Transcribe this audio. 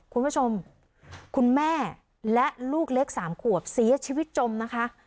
คุณผู้ชมคุณแม่และลูกเล็ก๓ขวบเสียชีวิตจมนะคะ